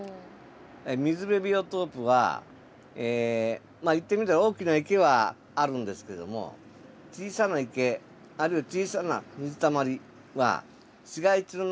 水辺ビオトープは言ってみれば大きな池はあるんですけども小さな池あるいは小さな水たまりはないよね？